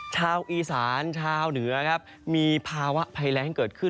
ชาวอีสานชาวเหนือครับมีภาวะภัยแรงเกิดขึ้น